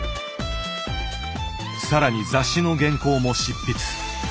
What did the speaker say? さらに雑誌の原稿も執筆。